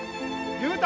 雄太！